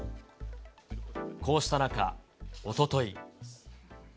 こうした中、おととい。